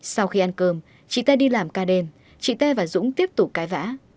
sau khi ăn cơm chị tây đi làm ca đêm chị tây và dũ tiếp tục cãi vã